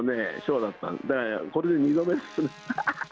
だからこれで２度目ですね。